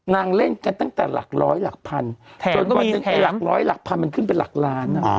นางเล่นกันตั้งแต่หลักร้อยหลักพันแถมก็มีแถมหลักร้อยหลักพันมันขึ้นเป็นหลักล้านน่ะอ๋อ